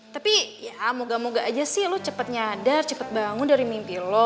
tapi ya moga moga aja sih lo cepat nyadar cepat bangun dari mimpi lo